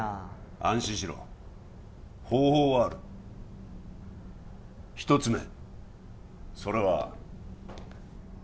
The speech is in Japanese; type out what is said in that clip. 安心しろ方法はある一つ目それは何？